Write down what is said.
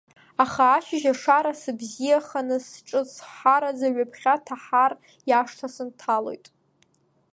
Аха ашьыжь, ашара сзыбзиаханы, сҿыцҳҳараӡа, ҩаԥхьа Таҳар иашҭа сынҭалоит.